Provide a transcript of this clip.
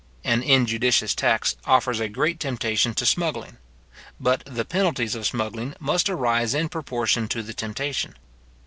An injudicious tax offers a great temptation to smuggling. But the penalties of smuggling must arise in proportion to the temptation.